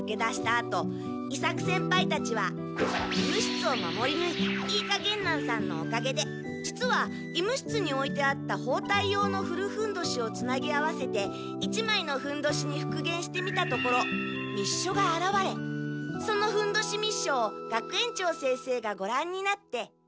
あと伊作先輩たちは医務室を守りぬいた飯加玄南さんのおかげで実は医務室においてあったほうたい用の古ふんどしをつなぎ合わせて１まいのふんどしにふくげんしてみたところ密書があらわれそのふんどし密書を学園長先生がごらんになって。